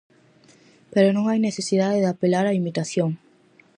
Pero non hai necesidade de apelar á imitación.